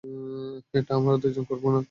এটা আমরা দুজন করবো না।